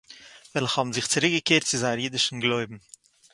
וועלכע האָבן זיך צוריקגעקערט צו זייער אידישן גלויבן